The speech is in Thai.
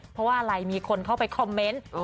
เพราะว่าอะไรมีคนเข้าไปคอมเมนต์